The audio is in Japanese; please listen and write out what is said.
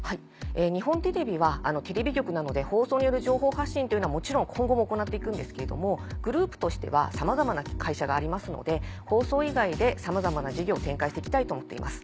日本テレビはテレビ局なので放送による情報発信というのはもちろん今後も行っていくんですけれどもグループとしてはさまざまな会社がありますので放送以外でさまざまな事業を展開して行きたいと思っています。